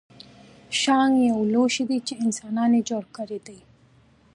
ښانک یو لوښی دی چې انسانانو جوړ کړی دی